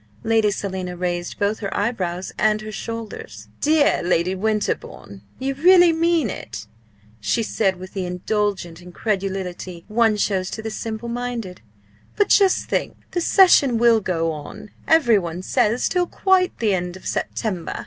Lady Selina raised both her eyebrows and her shoulders. "Dear Lady Winterbourne! you really mean it?" she said with the indulgent incredulity one shows to the simple minded "But just think! The session will go on, every one says, till quite the end of September.